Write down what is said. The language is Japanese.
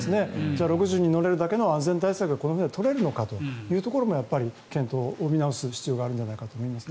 じゃあ、６０人が乗れるだけの安全対策を取れるのかというところも検討、見直す必要があると思います。